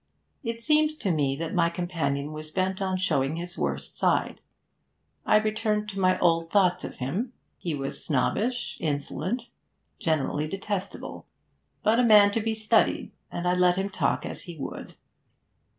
It seemed to me that my companion was bent on showing his worst side. I returned to my old thoughts of him; he was snobbish, insolent, generally detestable; but a man to be studied, and I let him talk as he would.